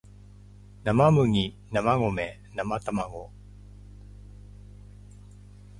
なまむぎなまごめなまたまご